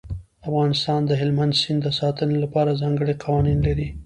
افغانستان د هلمند سیند د ساتنې لپاره ځانګړي قوانین لري.